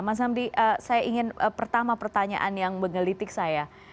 mas hamdi saya ingin pertama pertanyaan yang mengelitik saya